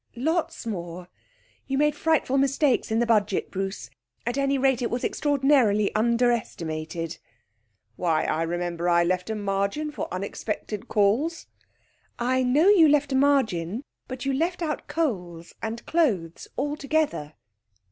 'Lots more. You made frightful mistakes in the Budget, Bruce; at any rate, it was extraordinarily under estimated.' 'Why, I remember I left a margin for unexpected calls.' 'I know you left a margin, but you left out coals and clothes altogether.'